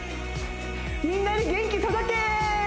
みんなに元気届けー！